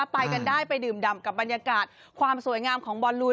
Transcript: ไปกันได้ไปดื่มดำกับบรรยากาศความสวยงามของบอลลูน